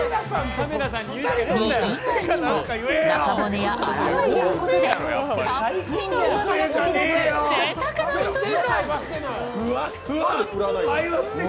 身以外にも中骨やあらも入れることでたっぷりのうまみが溶け出すぜいたくなひと品。